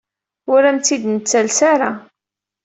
Ur am-t-id-nettales ara.